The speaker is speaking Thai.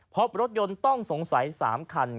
พบรถยนต์ต้องสงสัย๓คัน